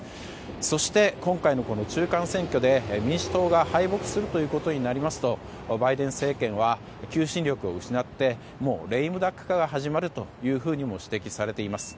そして、今回の中間選挙で民主党が敗北するということになりますとバイデン政権は求心力を失ってレームダック化が始まるとも指摘されています。